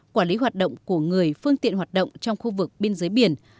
quản lý hoạt động của người phương tiện hoạt động trong khu vực biên giới biển